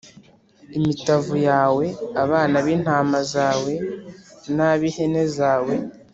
imitavu yawe, abana b’intama zawe n’ab’ihene zawe